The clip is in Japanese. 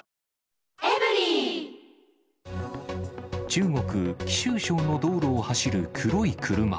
中国・貴州省の道路を走る黒い車。